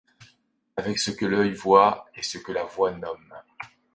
Avec ce que l’œil voit et ce que la voix nomme